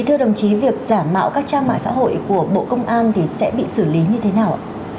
thưa đồng chí việc giả mạo các trang mạng xã hội của bộ công an thì sẽ bị xử lý như thế nào ạ